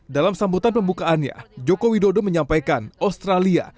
dalam sambutan pembukaannya joko widodo menyampaikan australia